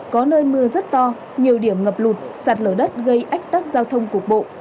có nơi mưa rất to nhiều điểm ngập lụt sạt lở đất gây ách tắc giao thông cục bộ